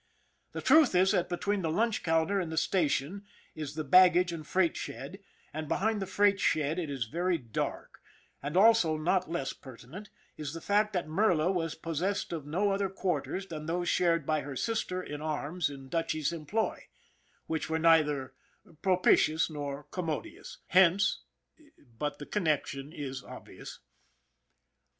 The truth is that between the lunch counter and the station is the baggage and freight shed, and behind the freight shed it is very dark; and also, not less pertinent, is the fact that Merla was possessed of no other quarters than those shared by her sister in arms in Dutchy's employ which were neither propi tious nor commodious. Hence but the connection is obvious.